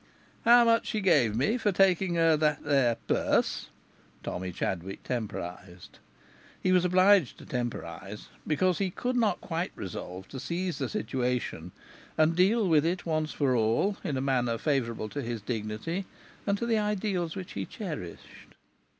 "How much she gave me for taking her that there purse?" Tommy Chadwick temporized. He was obliged to temporize, because he could not quite resolve to seize the situation and deal with it once for all in a manner favourable to his dignity and to the ideals which he cherished.